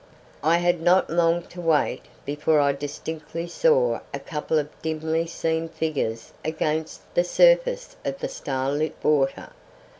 I had not long to wait before I distinctly saw a couple of dimly seen figures against the surface of the starlit water.